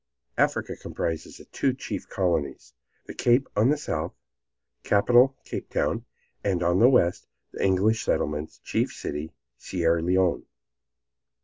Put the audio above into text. "Africa comprises two chief colonies the Cape on the south, capital Capetown; and on the west the English settlements, chief city, Sierra Leone."